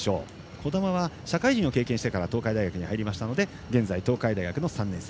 児玉は社会人を経験してから東海大学に入りましたので現在、東海大学３年生。